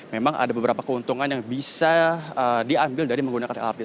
memang ada beberapa keuntungan yang bisa diambil dari menggunakan lrt